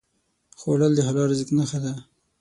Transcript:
خوړل د حلال رزق نښه ده